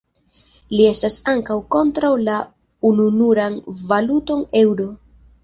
Li estas ankaŭ kontraŭ la ununuran valuton Eŭro.